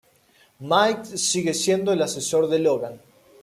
Mike sigue siendo el asesor de Logan.